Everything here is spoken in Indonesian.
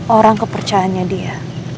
orang kepercayaannya dia